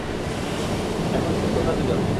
এখন শুধু তোমরা দুজন।